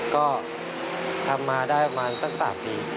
ก็ทำมาได้ประมาณสัก๓ปี